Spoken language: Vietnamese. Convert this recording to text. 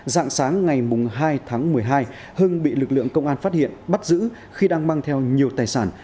dạng sáng ngày hai tháng một mươi hai hưng bị lực lượng công an phát hiện bắt giữ khi đang mang theo nhiều tài sản